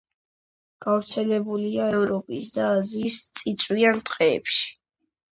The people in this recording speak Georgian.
გავრცელებულია ევროპის და აზიის წიწვიან ტყეებში.